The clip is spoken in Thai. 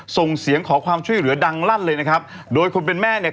ส่งเสียงขอความช่วยเหลือดังลั่นเลยนะครับโดยคนเป็นแม่เนี่ย